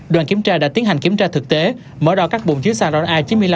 đoàn kiểm tra đã tiến hành kiểm tra thực tế mở đo các bụng chứa xăng ron a chín mươi năm ba